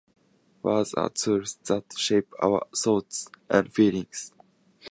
Words are tools that shape our thoughts and feelings.